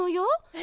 え？